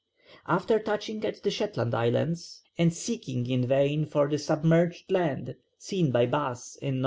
After touching at the Shetland Islands, and seeking in vain for the submerged land seen by Bass in N.